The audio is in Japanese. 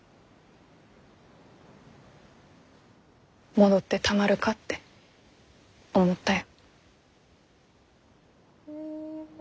戻ってたまるかって思ったよ。